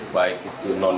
baik itu non liberal